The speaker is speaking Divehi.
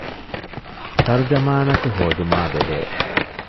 ތަރުޖަމާނަކު ހޯދުމާ ބެހޭ